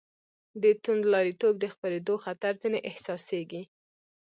د توندلاریتوب د خپرېدو خطر ځنې احساسېږي.